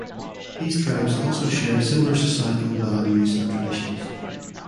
These tribes also shared similar societal values and traditions.